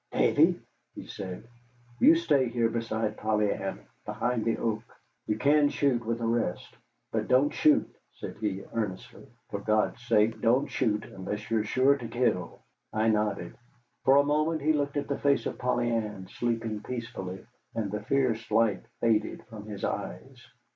"Davy," said he, "you stay here beside Polly Ann, behind the oak. You kin shoot with a rest; but don't shoot," said he, earnestly, "for God's sake don't shoot unless you're sure to kill." I nodded. For a moment he looked at the face of Polly Ann, sleeping peacefully, and the fierce light faded from his eyes.